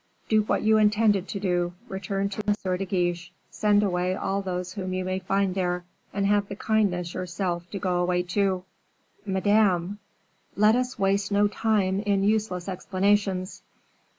"Do what you intended to do; return to M. de Guiche, send away all those whom you may find there, and have the kindness yourself to go away too." "Madame " "Let us waste no time in useless explanations.